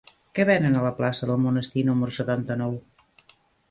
Què venen a la plaça del Monestir número setanta-nou?